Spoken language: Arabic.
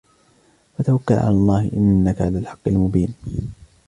فتوكل على الله إنك على الحق المبين